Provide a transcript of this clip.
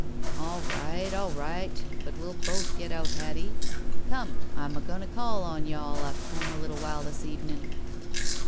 '" "All right. All right. But we'll both get out, Hattie. Come, I'm a goin' to call on you all up home a little while this evenin'